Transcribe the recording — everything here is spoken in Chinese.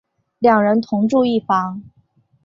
两人同住一房。